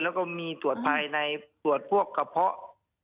แล้วก็มีตรวจภายในตรวจพวกกระเพาะ